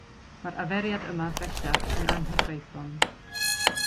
Mae'r arferiad yma, bellach, yn anghyfreithlon.